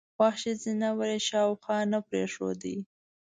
وحشي ځناور یې شاوخوا نه پرېښود.